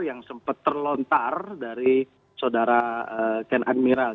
yang sempat terlontar dari saudara ken admiral